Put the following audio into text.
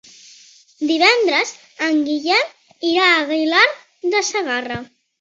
Divendres en Guillem irà a Aguilar de Segarra.